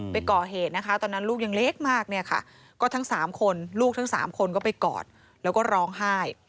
ไปก่อเหตุนะคะตอนนั้นลูกยังเล็กมากเนี่ยค่ะก็ทั้ง๓คนลูกทั้ง๓คนก็ไปกอดแล้วก็ร้องไห้